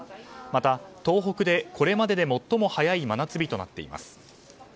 また、東北でこれまでで最も早い真夏日となっています。